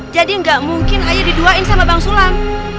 jadi nggak mungkin aye diduain sama bang sulam